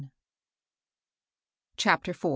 CHAPTER IV.